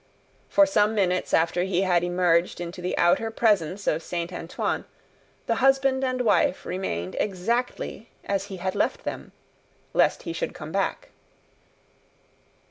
For some minutes after he had emerged into the outer presence of Saint Antoine, the husband and wife remained exactly as he had left them, lest he should come back.